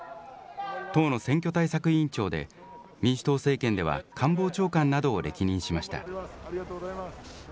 党の選挙対策委員長で、民主党政権では官房長官などを歴任しました。